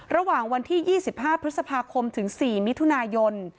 ระหว่างวันที่๒๕พฤษภาคมถึง๔มิถุนายน